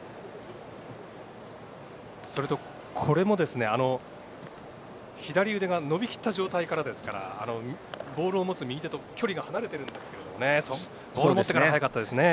それと、これも左腕が伸びきった状態からですからボールを持つ右手と距離が離れてるんですけどボールを持ってから速かったですね。